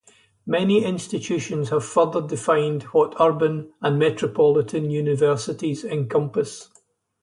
Many institutions have further defined what urban and metropolitan universities encompass.